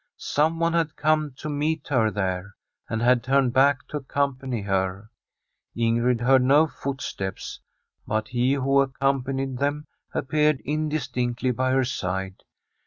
Someone had come to meet her From a SfTEDISH HOMESTEAD there, and had turned back to accompany her. Ingrid heard no footsteps, but he who accom panied them appeared indistinctly by her side.